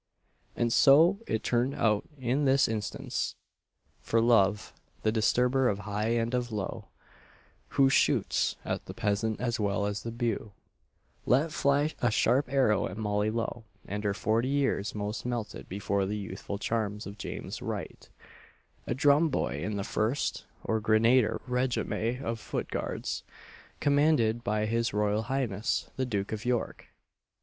And so it turned out in this instance "For Love, the disturber of high and of low, Who shoots at the peasant as well as the beau," let fly a sharp arrow at Molly Lowe; and her forty years' frost melted before the youthful charms of James Wright a drum boy in the First or Grenadier Regiment of Foot Guards, commanded by his Royal Highness the Duke of York!